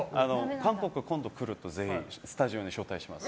韓国、今度来る時全員、スタジオに招待します。